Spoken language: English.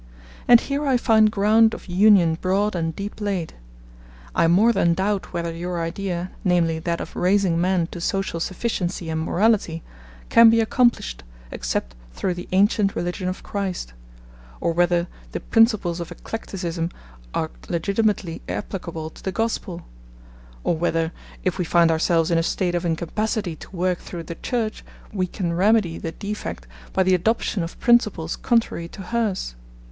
And here I find ground of union broad and deep laid ... I more than doubt whether your idea, namely that of raising man to social sufficiency and morality, can be accomplished, except through the ancient religion of Christ; ... or whether, the principles of eclecticism are legitimately applicable to the Gospel; or whether, if we find ourselves in a state of incapacity to work through the Church, we can remedy the defect by the adoption of principles contrary to hers